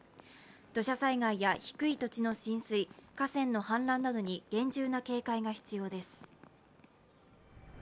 土砂災害や低い土地の浸水、河川の氾濫などに厳重な警戒が必要です。